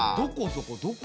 そこどこ？